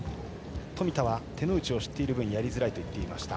冨田は手の内を知っている分やりづらいと言っていました。